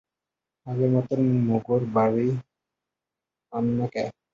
আগের মতোন মোগোর বাড়ি আন না ক্যা?